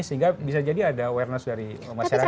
sehingga bisa jadi ada awareness dari masyarakat